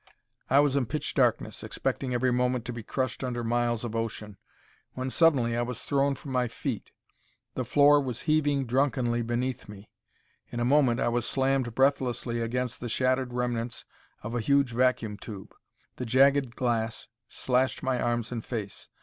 I was in pitch darkness, expecting every moment to be crushed under miles of ocean, when suddenly I was thrown from my feet. The floor was heaving drunkenly beneath me. In a moment I was slammed breathlessly against the shattered remnants of a huge vacuum tube. The jagged glass slashed my arms and face.